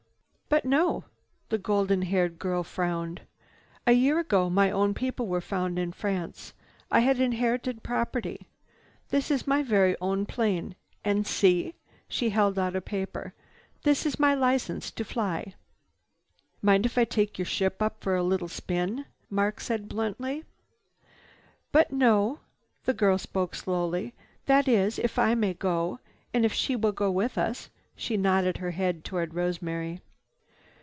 "But no!" The golden haired girl frowned. "A year ago my own people were found in France. I had inherited property. This is my very own plane. And see!" She held out a paper. "This is my license to fly." "Mind if I take your ship up for a little spin?" Mark said bluntly. "But no." The girl spoke slowly. "That is, if I may go, and if she will go with us." She nodded her head toward Rosemary.